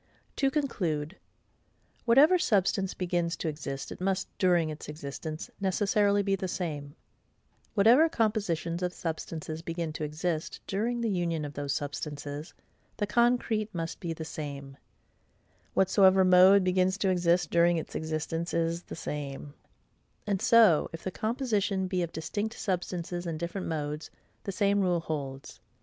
To conclude: Whatever substance begins to exist, it must, during its existence, necessarily be the same: whatever compositions of substances begin to exist, during the union of those substances, the concrete must be the same: whatsoever mode begins to exist, during its existence it is the same: and so if the composition be of distinct substances and different modes, the same rule holds.